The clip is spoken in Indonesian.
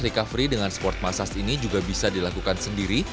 recovery dengan sport massage ini juga bisa dilakukan sendiri